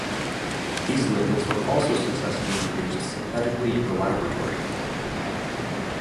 These lipids were also successfully produced synthetically in the laboratory.